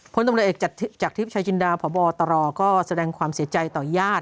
ตำรวจเอกจากทริปชายจินดาพบตรก็แสดงความเสียใจต่อญาติ